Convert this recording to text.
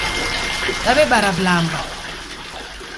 Daw'ebara vilamba